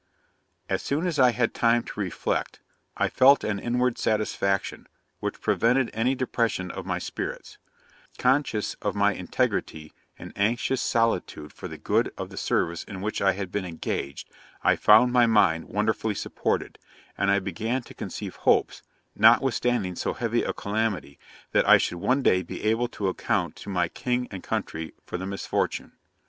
'As soon as I had time to reflect, I felt an inward satisfaction, which prevented any depression of my spirits: conscious of my integrity, and anxious solicitude for the good of the service in which I had been engaged, I found my mind wonderfully supported, and I began to conceive hopes, notwithstanding so heavy a calamity, that I should one day be able to account to my king and country for the misfortune.